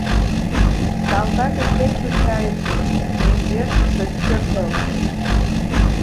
— Салтакыш лектын кайышыч — мӧҥгеш шыч пӧртыл.